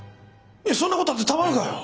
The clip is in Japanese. そんなことがあってたまるかよ！